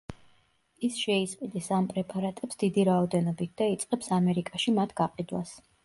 ის შეისყიდის ამ პრეპარატებს დიდი რაოდენობით და იწყებს ამერიკაში მათ გაყიდვას.